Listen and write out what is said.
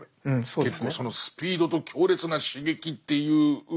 結構そのスピードと強烈な刺激っていうもの